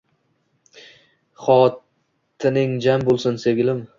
Xotiring jam bo’lsin sevgilim…